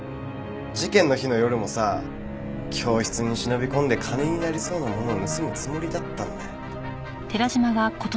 事件の日の夜もさ教室に忍び込んで金になりそうなものを盗むつもりだったんだよ。